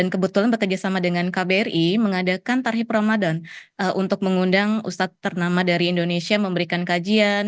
kbri yang mengadakan tarhip ramadan untuk mengundang ustadz ternama dari indonesia memberikan kajian